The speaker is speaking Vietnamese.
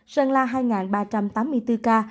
sơn la hai ba trăm tám mươi bốn ca